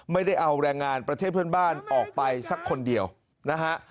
ไม่ได้เอาแรงงานประเทศเพื่อนบ้านออกไปสักคนเดียวนะฮะ